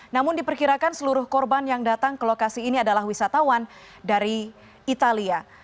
namun diperkirakan seluruh korban yang datang ke lokasi ini adalah wisatawan dari italia